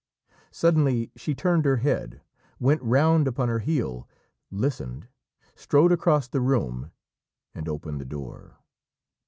Suddenly she turned her head, went round upon her heel, listened, strode across the room, and opened the door.